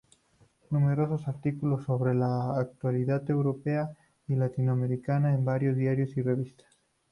Numerosos artículos sobre la actualidad europea y latinoamericana en varios diarios y revistas.